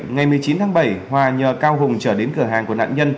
ngày một mươi chín tháng bảy hòa nhờ cao hùng trở đến cửa hàng của nạn nhân